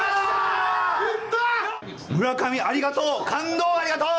村上ありがとう！